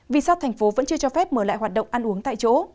vì sao tp hcm vẫn chưa cho phép mở lại hoạt động ăn uống tại chỗ